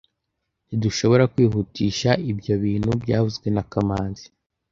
Ntidushobora kwihutisha ibyo bintu byavuzwe na kamanzi